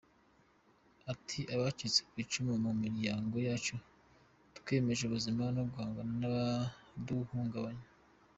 Ati “Abacitse ku icumu mu miryango yacu twiyemeza ubuzima, no guhangana n’abaduhungabanya.